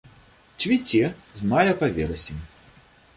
Цвіце з мая па верасень.